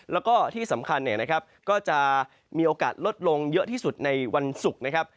แล้วก็ที่สำคัญเนี่ยนะครับก็จะมีโอกาสลดลงเยอะที่สุดในวันศุกร์นะครับ